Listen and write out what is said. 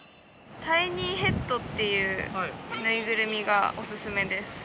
タイニーヘッドっていう、ぬいぐるみがおすすめです。